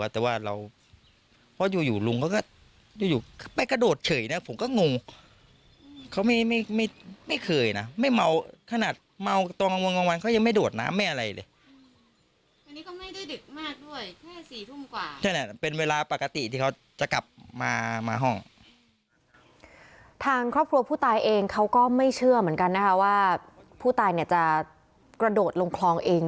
ทางครอบครัวผู้ตายเองเขาก็ไม่เชื่อเหมือนกันนะคะว่าผู้ตายเนี่ยจะกระโดดลงคลองเอง